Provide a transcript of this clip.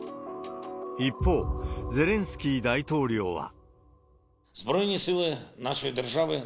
一方、ゼレンスキー大統領は。